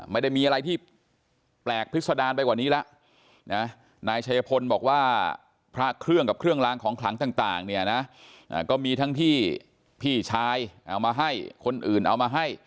ไม่ได้มีอะไรที่แปลกพฤษดาลไปกว่านี้ล่ะนะฮะ